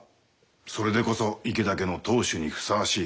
それでこそ池田家の当主にふさわしい。